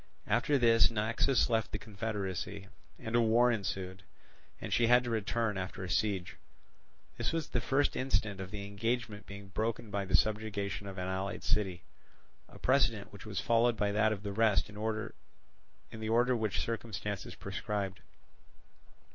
After this Naxos left the confederacy, and a war ensued, and she had to return after a siege; this was the first instance of the engagement being broken by the subjugation of an allied city, a precedent which was followed by that of the rest in the order which circumstances prescribed.